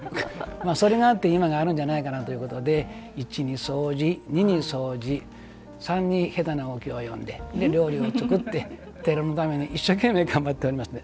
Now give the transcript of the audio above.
それがあって今があるんじゃないかなということで、１に掃除２に掃除３に下手なお経を読んで料理を作って寺のために一生懸命頑張っておりました。